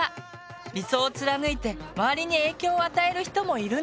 理想を貫いて周りに影響を与える人もいるんだって。